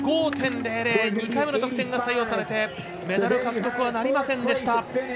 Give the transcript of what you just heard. ２回目の得点が採用されてメダル獲得はなりませんでした。